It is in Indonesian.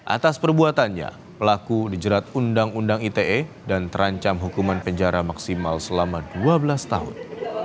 atas perbuatannya pelaku dijerat undang undang ite dan terancam hukuman penjara maksimal selama dua belas tahun